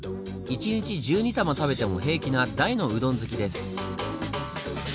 一日１２玉食べても平気な大の「うどん好き」です。